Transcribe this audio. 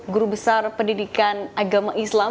guru besar pendidikan agama islam